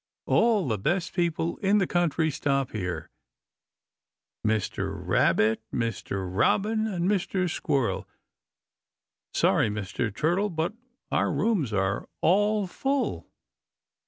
All the best people in the country stop here. Mr. Rabbit, Mr. Robin and Mr. Squirrel. Sorry, Mr. Turtle, but our rooms are all full."